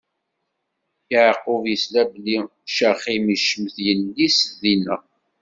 Yeɛqub isla belli Caxim icemmet yelli-s Dina.